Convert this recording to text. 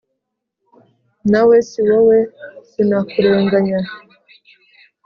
Nawe si wowe sinakurenganya